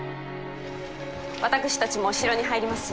私たちも城に入ります。